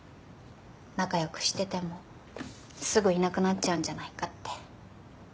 仲良くしててもすぐいなくなっちゃうんじゃないかって。